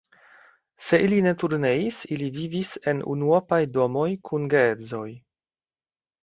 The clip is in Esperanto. Se ili ne turneis, ili vivis en unuopaj domoj kun geedzoj.